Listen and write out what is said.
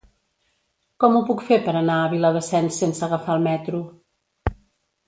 Com ho puc fer per anar a Viladasens sense agafar el metro?